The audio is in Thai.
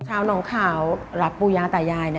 ชาวหนองขาวรับปุญญาตายาย